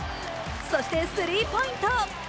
そしてスリーポイント。